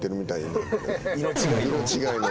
色違いの？